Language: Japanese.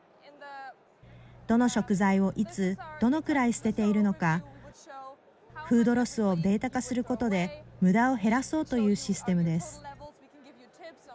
どの食材をいつどのくらい捨てているのかフードロスをデータ化することでむだを減らそうというシステムです。